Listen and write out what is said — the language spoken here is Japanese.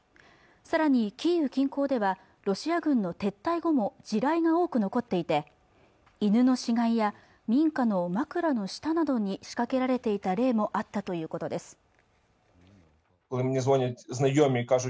さらにキーウ近郊ではロシア軍の撤退後も地雷が多く残っていて犬の死骸や民家の枕の下などに仕掛けられていた例もあったということです